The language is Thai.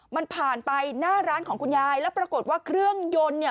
มันผ่านไปหน้าร้านของคุณยายแล้วปรากฏว่าเครื่องยนต์เนี่ย